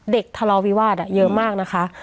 ทะเลาวิวาสเยอะมากนะคะ